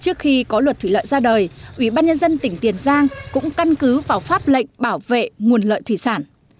trước khi có luật thủy lợi ra đời ủy ban nhân dân tỉnh tiền giang cũng căn cứ vào pháp lệnh bảo vệ nguồn lợi thủy sản